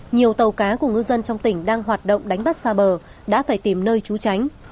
nhiều tàu cá của ngư dân trong tỉnh đang hoạt động đánh bắt xa bờ đã phải tìm nơi trú tránh